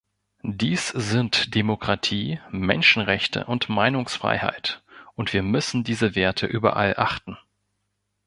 Dies sind Demokratie, Menschenrechte und Meinungsfreiheit, und wir müssen diese Werte überall achten.